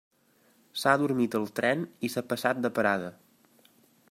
S'ha adormit al tren i s'ha passat de parada.